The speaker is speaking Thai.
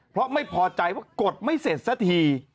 เพราะไม่พอใจว่ากดไม่เสร็จสักที